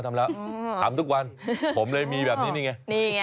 ทำแล้วถามทุกวันผมเลยมีแบบนี้นี่ไง